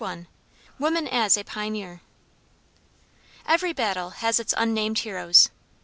WOMAN AS A PIONEER Every battle has its unnamed heroes.